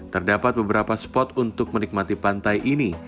terdapat beberapa spot untuk menikmati pantai ini